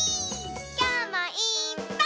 きょうもいっぱい。